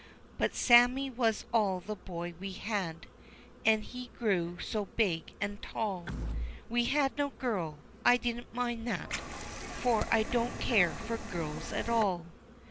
But Sammie was all the boy we had, An' he grew so big an' tall We had no girl, I didn't mind that, For I don't care for girls at all.